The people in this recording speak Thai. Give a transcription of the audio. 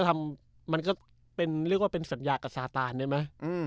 มันก็เรียกว่าเป็นสัญญากับสาตานเนี่ยมั้ย